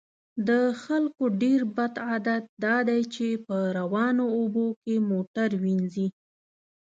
د خلکو ډیر بد عادت دا دی چې په روانو اوبو کې موټر وینځي